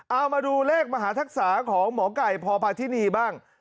เอามาดูเลขมหาธักษาของหมอไก่พ่อพระพิกเนธบ้าง